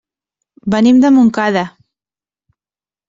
Venim de Montcada.